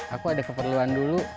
aku ada keperluan dulu